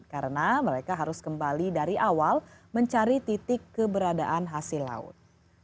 karena mereka harus kembali dari awal mencari titik keberadaan hasil laut